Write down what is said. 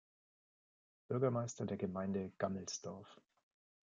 Bürgermeister der Gemeinde Gammelsdorf.